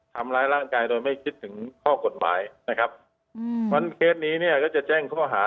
ทำร้ายร่างกายโดยไม่คิดถึงข้อกฎหมายนะครับตอนเคสนี้เนี่ยรักจะแจ้งเคราะห์